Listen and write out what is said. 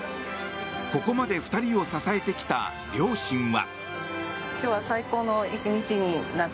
ここまで２人を支えてきた両親は。